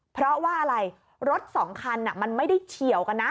เพราะว่าอะไรรถสองคันมันไม่ได้เฉียวกันนะ